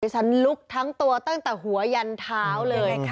ฉันลุกทั้งตัวตั้งแต่หัวยันเท้าเลย